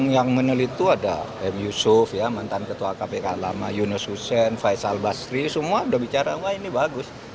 yang meneliti ada m yusuf mantan ketua kpk lama yunus hussein faisal basri semua sudah bicara wah ini bagus